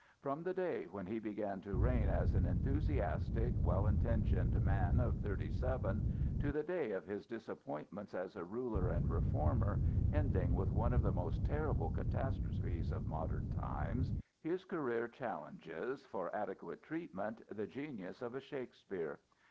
From the day when he began to reign as an enthusiastic, well intentioned man of thirty seven, to the days of his disappointments as a ruler and reformer, ending with one of the most terrible catastrophes of modern times, his career challenges, for adequate treatment, the genius of a Shakespeare.